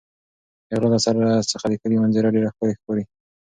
د غره له سر څخه د کلي منظره ډېره ښکلې ښکاري.